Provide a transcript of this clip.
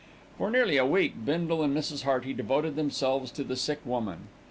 For nearly a week, Bindle and Mrs. Hearty devoted themselves to the sick woman.